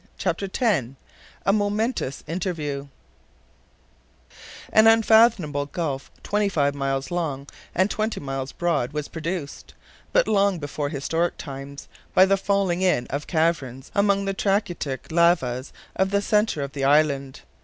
CHAPTER X A MOMENTOUS INTERVIEW AN unfathomable gulf twenty five miles long, and twenty miles broad was produced, but long before historic times, by the falling in of caverns among the trachytic lavas of the center of the island.